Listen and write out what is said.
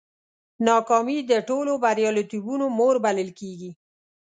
ناکامي د ټولو بریالیتوبونو مور بلل کېږي.